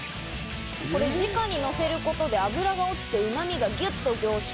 直に乗せることで脂が落ちて、うまみがギュッと凝縮。